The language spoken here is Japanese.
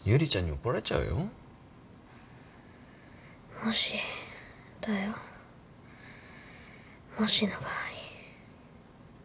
もしだよもしの場合。